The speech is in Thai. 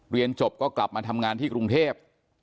เรียนจบก็กลับมาทำงานที่กรุงเทพ